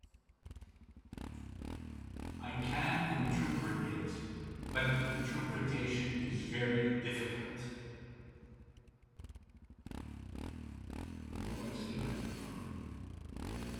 I can interpret it, but the interpretation is very difficult.